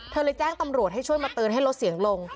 เลยแจ้งตำรวจให้ช่วยมาเตือนให้ลดเสียงลง